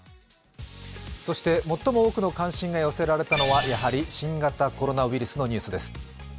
最も多くの関心が寄せられたのはやはり新型コロナウイルスのニュースです。